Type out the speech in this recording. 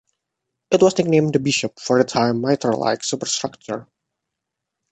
It was nicknamed the "Bishop" for its high mitre-like superstructure.